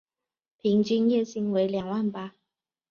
平均月薪为两万八